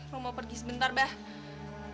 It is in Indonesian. rum mau pergi sebentar bahaya